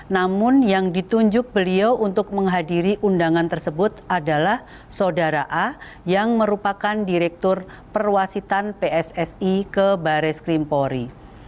namun yang ditunjuk beliau untuk menghadiri undangan tersebut adalah saudara a yang merupakan direktur perwasitan pssi ke baris krimpori